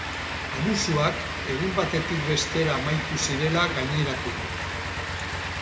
Abusuak egun batetik bestera amaitu zirela gaineratu du.